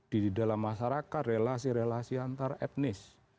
di dalam masyarakat relasi relasi antar etnis